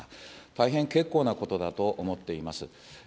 大変結構なことだと思っています。